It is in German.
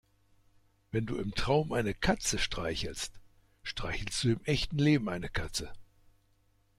Wenn du im Traum eine Katze streichelst, streichelst du im echten Leben eine Katze.